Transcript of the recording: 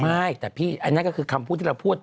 ไม่แต่พี่อันนั้นก็คือคำพูดที่เราพูด